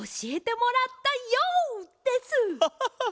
ハハハッ！